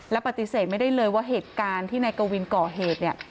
และปฏิเสธไม่ได้เลยว่าเหตุการณ์ที่นายกวินก่อเหตุเนี่ย